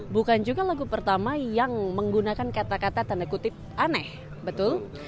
bukan juga lagu pertama yang menggunakan kata kata tanda kutip aneh betul